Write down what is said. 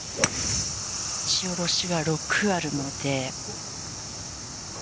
打ち下ろしが６あるので。